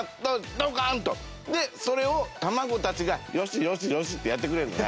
でそれを卵たちがよしよしよしってやってくれるのね。